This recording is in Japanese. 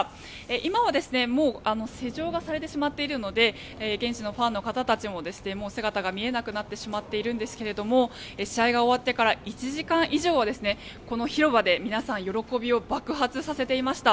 今はもう施錠がされてしまっているので現地のファンの方たちも姿が見えなくなっているんですが試合が終わってから１時間以上はこの広場で皆さん喜びを爆発させていました。